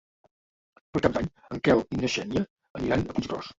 Per Cap d'Any en Quel i na Xènia aniran a Puiggròs.